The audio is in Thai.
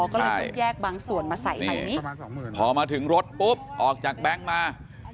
ก็เลยต้องแยกบางส่วนมาใส่ไหมพอมาถึงรถปุ๊บออกจากแบงค์มา